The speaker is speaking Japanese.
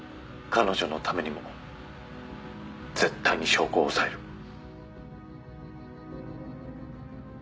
彼女のためにも絶対に証拠を押さえる。